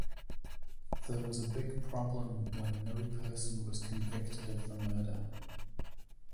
There was a big problem when no person was convicted of the murder.